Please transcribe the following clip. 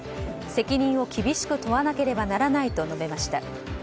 責任を厳しく問わなければならないと述べました。